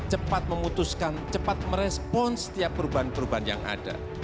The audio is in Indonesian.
cepat memutuskan cepat merespon setiap perubahan perubahan yang ada